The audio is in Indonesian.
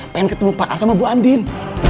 pengen ketemu pak a sama bu andin